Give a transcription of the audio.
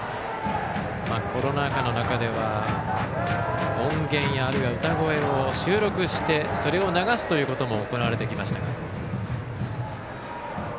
コロナ禍の中では音源や歌声を収録して、それを流すことも行われてきました。